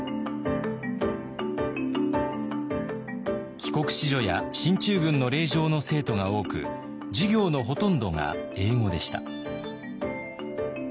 帰国子女や進駐軍の令嬢の生徒が多く授業のほとんどが英語でした。